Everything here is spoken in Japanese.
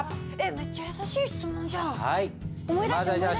めっちゃ優しい質問じゃん。